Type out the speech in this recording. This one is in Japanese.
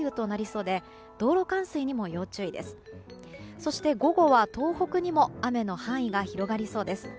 そして、午後は東北にも雨の範囲が広がりそうです。